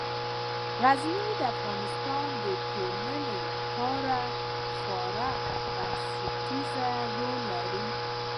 غزني د افغانستان د ټولنې لپاره یو خورا بنسټيز رول لري.